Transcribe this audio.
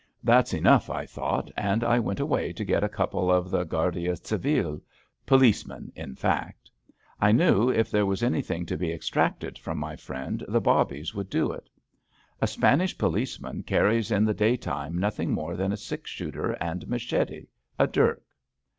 That's enough, I thought, and I went away to get a couple of the Gnarda Civile — ^policemen, in fact. I knew if there was anything to be extracted from my friend the bobbies would do it. A Spanish policeman carries in the day time nothing more than a six shooter and machete, a dirk.